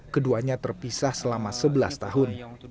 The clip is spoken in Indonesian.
keduanya terpisah selama sebelas tahun